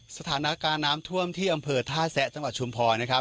สถานการณ์น้ำท่วมที่อำเภอท่าแซะจังหวัดชุมพรนะครับ